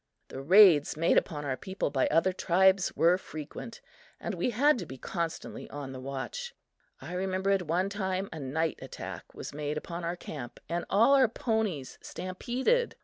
The raids made upon our people by other tribes were frequent, and we had to be constantly on the watch. I remember at one time a night attack was made upon our camp and all our ponies stampeded.